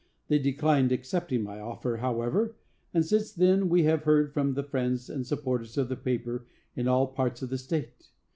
They declined accepting my offer, however, and since then we have heard from the friends and supporters of the paper in all parts of the state.